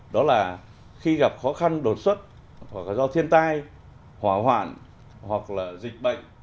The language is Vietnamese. đó là khi gặp khó khăn đột xuất hoặc do thiên tai hỏa hoạn hoặc dịch bệnh